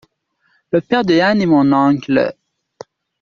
Le père de Yann est mon oncle.